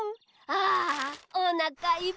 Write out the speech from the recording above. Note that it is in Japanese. ああおなかいっぱい！